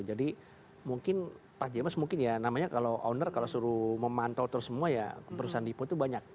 jadi mungkin pak james mungkin ya namanya kalau owner kalau suruh memantau terus semua ya perusahaan lipo itu banyak